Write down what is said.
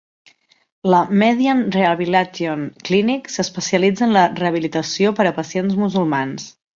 La Median Rehabilitation Clinic s'especialitza en la rehabilitació per a pacients musulmans.